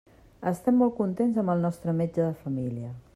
Estem molt contents amb el nostre metge de família.